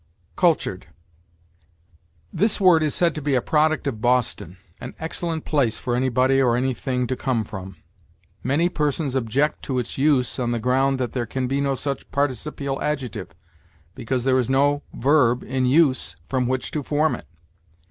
CULTURED. This word is said to be a product of Boston an excellent place for anybody or anything to come from. Many persons object to its use on the ground that there can be no such participial adjective, because there is no verb in use from which to form it.